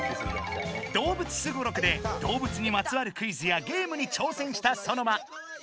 「動物すごろく」で動物にまつわるクイズやゲームに挑戦したソノマ。